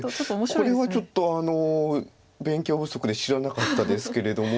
これはちょっと勉強不足で知らなかったですけれども。